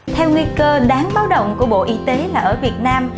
theo nguy cơ đáng báo động của bộ y tế là ở việt nam